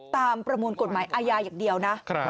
ประมวลกฎหมายอาญาอย่างเดียวนะ